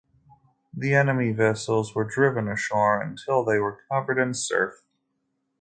The enemy vessels were driven ashore until they were covered in surf.